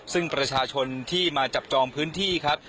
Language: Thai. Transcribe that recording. ซึ่งประชาชนที่มาจับจองพื้นที่ครับ